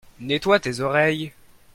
Nettoie tes oreilles.